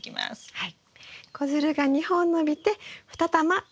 はい。